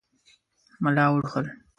ملا وټوخل.